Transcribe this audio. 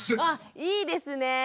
あいいですね。